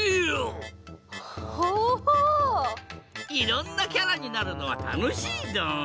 いろんなキャラになるのはたのしいドン！